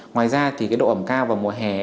ngoài ra thì độ ẩm cao vào mùa hè